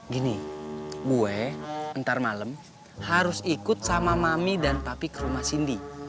gini gue ntar malam harus ikut sama mami dan papi ke rumah cindy